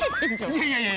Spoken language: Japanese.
いやいやいや。